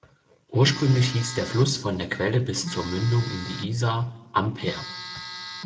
Ursprünglich hieß der Fluss von der Quelle bis zur Mündung in die Isar Amper.